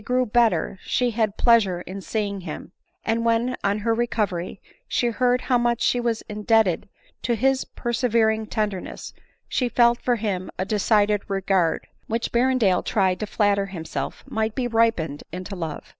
grew better she hod plea sure iq seeing httn £ and when, oa her recorery, she heard how much she was indebted to his perseveriag tenderness, she felt for him a decided regard, which Berrendale tdnft to flatter himself aright be ripened into love.